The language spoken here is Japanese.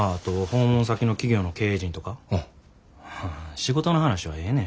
仕事の話はええねん。